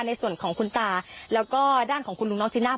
ในส่วนของคุณตาแล้วก็ด้านของคุณลุงน้องจีน่า